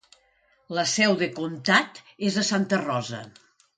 La seu de comtat és a Santa Rosa.